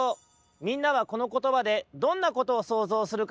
みんなはこのことばでどんなことをそうぞうするかな？